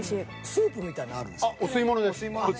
スープみたいなんあるんですか？